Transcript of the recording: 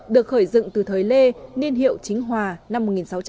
được khởi dựng từ thời lê niên hiệu chính hòa năm một nghìn sáu trăm chín mươi tám